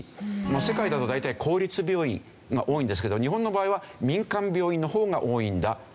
世界だと大体公立病院が多いんですけど日本の場合は民間病院の方が多いんだという事ですね。